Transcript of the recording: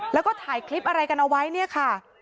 แล้วก็ถ่ายคลิปอะไรกันเอาไว้เนี่ยค่ะ